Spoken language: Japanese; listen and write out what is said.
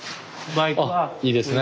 あいいですね。